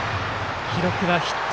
記録はヒット。